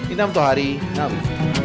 inam tuhari ngawi